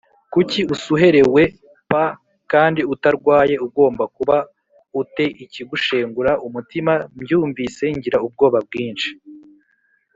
kuki usuherewe p kandi utarwaye Ugomba kuba u te ikigushengura umutima Mbyumvise ngira ubwoba bwinshi